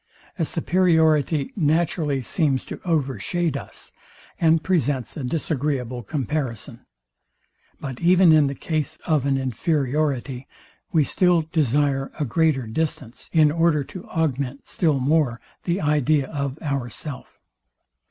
A superiority naturally seems to overshade us, and presents a disagreeable comparison. But even in the case of an inferiority, we still desire a greater distance, in order to augment, still more the idea of ourself.